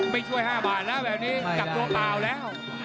มิ่ช่วยห้าบาทแล้วแบบนี้กลับโดมตาวแล้ว